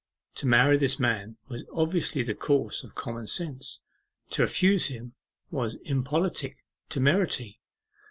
To marry this man was obviously the course of common sense, to refuse him was impolitic temerity.